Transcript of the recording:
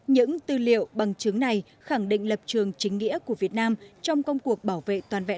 những tư liệu bằng chứng này khẳng định lập trường chính nghĩa của việt nam trong công cuộc bảo vệ toàn vẹn